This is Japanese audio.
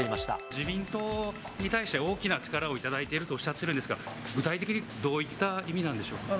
自民党に対して大きな力を頂いているとおっしゃっているんですが、具体的にどういった意味なんでしょうか。